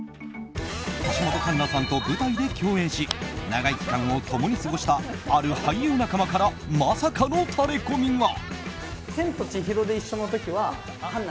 橋本環奈さんと舞台で共演し長い期間を共に過ごしたある俳優仲間からまさかのタレコミが！